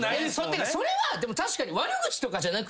それは確かに悪口とかじゃなくて。